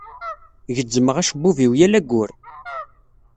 Gezzmeɣ acebbub-iw yal ayyur.